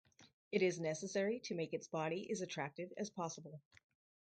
It is necessary to make its body as attractive as possible.